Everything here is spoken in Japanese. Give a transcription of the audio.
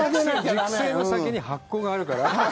熟成の先に発酵があるから。